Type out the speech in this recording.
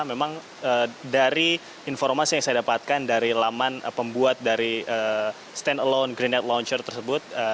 memang dari informasi yang saya dapatkan dari laman pembuat dari stand alone grenat launcher tersebut